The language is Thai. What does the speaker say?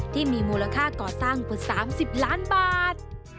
ที่มีมูลค่าก่อสร้างประมาณ๓๐ล้านบาท